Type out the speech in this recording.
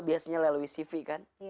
biasanya lalui cv kan